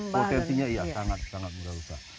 potensinya sangat sangat mudah lupa